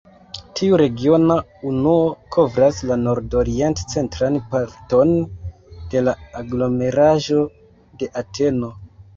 Tiu regiona unuo kovras la nordorient-centran parton de la aglomeraĵo de Ateno.